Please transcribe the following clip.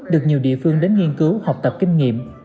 được nhiều địa phương đến nghiên cứu học tập kinh nghiệm